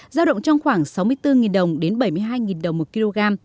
giao động trong khoảng sáu mươi bốn đồng đến bảy mươi hai đồng một kg